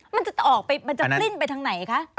มันจะออกไปมันจะปลิ้นไปทางไหนคะ